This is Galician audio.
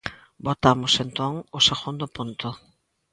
Votamos, entón, o segundo punto.